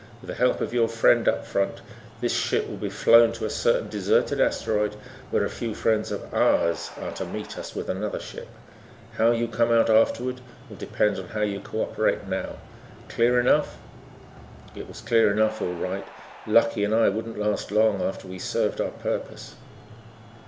With the help of your friend up front, this ship will be flown to a certain deserted asteroid where a few friends of ours are to meet us with another ship. How you come out afterward will depend on how you co operate now. Clear enough?" It was clear enough all right. Lucky and I wouldn't last long after we served our purpose.